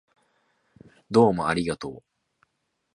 どうもありがとう